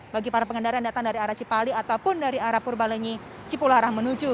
bagi para pengendara yang datang dari arah cipali ataupun dari arah purbalenyi cipularang menuju